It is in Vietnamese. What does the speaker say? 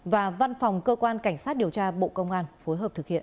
và văn phòng cơ quan cảnh sát điều tra bộ công an phối hợp thực hiện